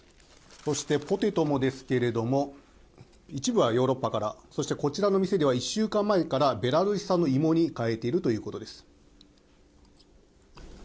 そしてポテトもですけれども一部はヨーロッパからそしてこちらの店では１週間前からベラルーシ産の芋に変えているということです。